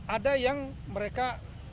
ada yang mereka